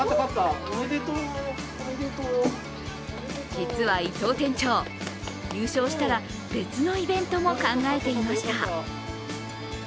実は伊藤店長、優勝したら別のイベントも考えていました。